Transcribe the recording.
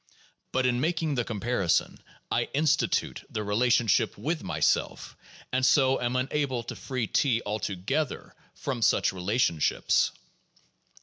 But in making the com parison, I institute the relationship with myself, and so am unable to free T altogether from such relationships.